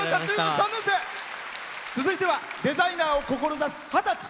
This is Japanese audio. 続いてはデザイナーを志す二十歳。